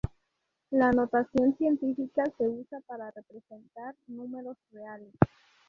La notación científica se usa para representar números reales.